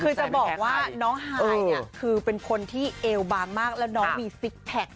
คือจะบอกว่าน้องฮายเนี่ยคือเป็นคนที่เอวบางมากแล้วน้องมีซิกแพค